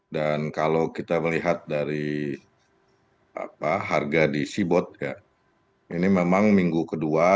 dan kalau kita melihat dari harga di sibot ini memang minggu kedua